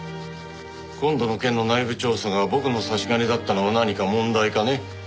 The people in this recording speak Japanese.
今度の件の内部調査が僕の差し金だったのは何か問題かね？